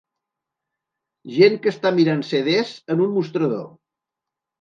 Gent que està mirant CDs en un mostrador